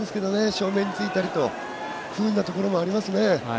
正面についたりと不運なところもありますね。